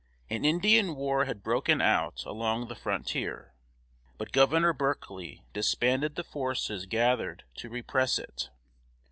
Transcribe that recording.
An Indian war had broken out along the frontier, but Governor Berkeley disbanded the forces gathered to repress it.